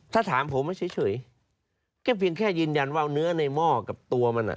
ถ้าถามผมเฉยก็เพียงแค่ยืนยันว่าเนื้อในหม้อกับตัวมันอ่ะ